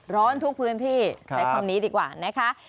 ทุกพื้นที่ใช้คำนี้ดีกว่านะคะ